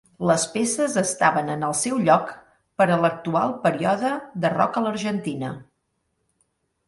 Les peces estaven en el seu lloc per a l'actual període de rock a l'Argentina.